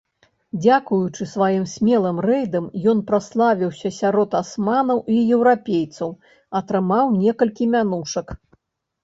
Дзякуючы сваім смелым рэйдам ён праславіўся сярод асманаў і еўрапейцаў, атрымаў некалькі мянушак.